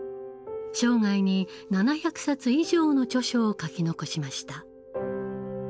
生涯に７００冊以上の著書を書き残しました。